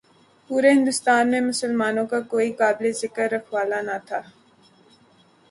پورے ہندوستان میں مسلمانوں کا کوئی قابل ذکر رکھوالا نہ تھا۔